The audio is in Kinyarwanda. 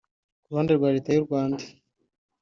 Ku ruhande rwa Leta y’u Rwanda